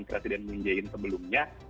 presiden moon jae in sebelumnya